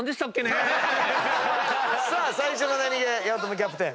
さあ最初のナニゲー八乙女キャプテン